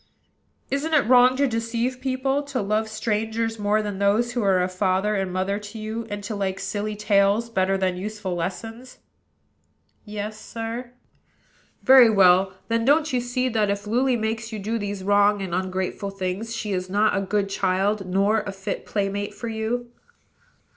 "Isn't it wrong to deceive people, to love strangers more than those who are a father and mother to you, and to like silly tales better than useful lessons?" "Yes, sir." "Very well. Then, don't you see, that, if Luly makes you do these wrong and ungrateful things, she is not a good child, nor a fit playmate for you?"